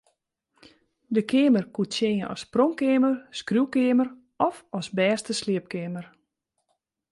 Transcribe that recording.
Der keamer koe tsjinje as pronkkeamer, skriuwkeamer of as bêste sliepkeamer.